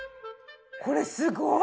これすごい！